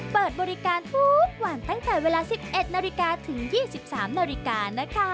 เปิดบริการหวานตั้งแต่เวลา๑๑นถึง๒๓นนะคะ